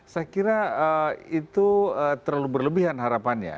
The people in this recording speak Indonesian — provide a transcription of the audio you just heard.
saya kira itu terlalu berlebihan harapannya